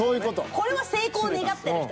これは成功願ってる人。